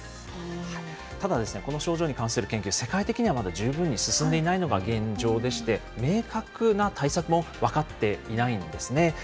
ただ、この症状に関する研究、世界的にはまだ十分に進んでいないのが現状でして、明確な対策も分かっていないんですね。